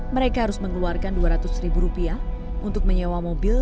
mereka harus mengeluarkan dua ratus ribu rupiah untuk menyewa mobil